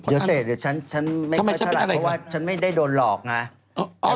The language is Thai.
เดี๋ยวเศษเดี๋ยวฉันไม่เคยเท่าไหร่ค่ะเพราะว่าฉันไม่ได้โดนหลอกนะ